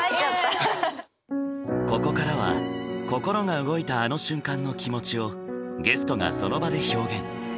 ここからは心が動いたあの瞬間の気持ちをゲストがその場で表現。